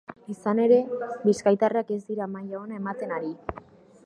Izan ere, bizkaitarrak ez dira maila ona ematen ari.